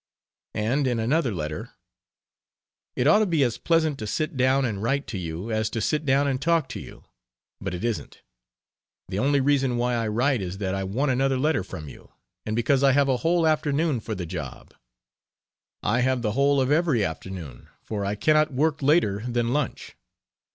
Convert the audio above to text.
And in another letter: "It ought to be as pleasant to sit down and write to you as to sit down and talk to you, but it isn't..... The only reason why I write is that I want another letter from you, and because I have a whole afternoon for the job. I have the whole of every afternoon, for I cannot work later than lunch.